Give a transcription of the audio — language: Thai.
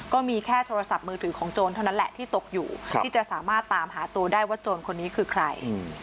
ก็มีแค่โทรศัพท์มือถือของโจรเท่านั้นแหละที่ตกอยู่ที่จะสามารถตามหาตัวได้ว่าโจรคนนี้คือใคร